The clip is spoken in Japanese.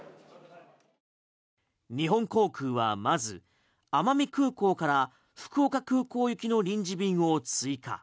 日本航空はまず奄美空港から福岡空港行きの臨時便を追加。